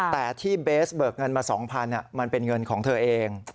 แต่ที่เบสเบิกเงินมา๒๐๐มันเป็นเงินของเธอเอง